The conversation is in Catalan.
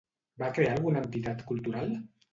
Va crear alguna entitat cultural?